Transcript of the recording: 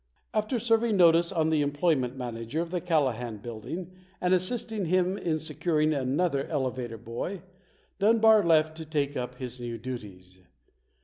After serving notice on the employment manager of the Callahan Building and assisting him in securing another elevator boy, Dunbar left to take up his new duties.